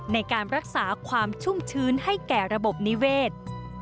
ในการรักษาความชุ่มชื้นให้แก่ระบบนิเวศ